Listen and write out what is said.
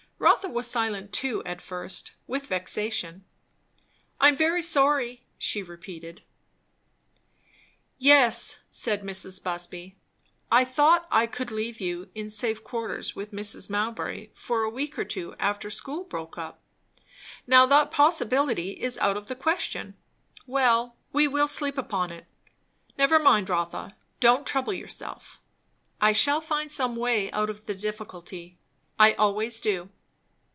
Rotha was silent too at first, with vexation. "I am very sorry " she repeated. "Yes," said Mrs. Busby. "I thought I could leave you in safe quarters with Mrs. Mowbray for a week or two after school broke up; now that possibility is out of the question. Well, we will sleep upon it. Never mind, Rotha; don't trouble yourself. I shall find some way out of the difficulty. I always do."